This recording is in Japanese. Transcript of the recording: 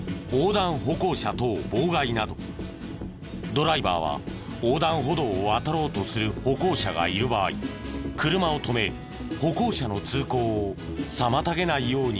ドライバーは横断歩道を渡ろうとする歩行者がいる場合車を止め歩行者の通行を妨げないようにする義務がある。